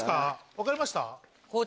分かりました？